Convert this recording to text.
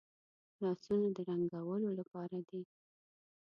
لاسونه د رنګولو لپاره دي